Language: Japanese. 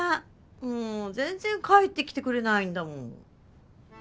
もう全然帰ってきてくれないんだもん。